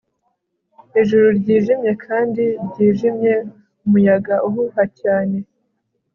ijuru ryijimye kandi ryijimye, umuyaga uhuha cyane